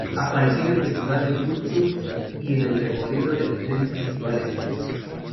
Apareció en el festival de Woodstock y en el recorrido del tren Festival Express.